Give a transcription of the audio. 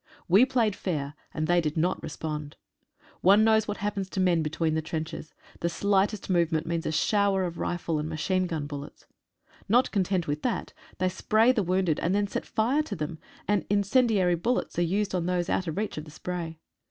We played fair, and they did not respond. One knows what happens to men between the trenches — the slightest movement means a shower of rifle and machine gun bullets. Not content with that, they spray the wounded, and then set fire to them, and incen diary bullets are used on those out of reach of the spray.